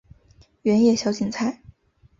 圆叶小堇菜